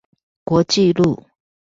國際路